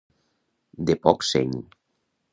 De poc seny.